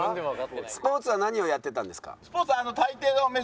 スポーツは何をやってたんですか？